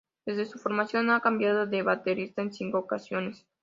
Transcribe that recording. Desde su formación, ha cambiado de baterista en cinco ocasiones.